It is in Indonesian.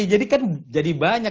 jadi kan jadi banyak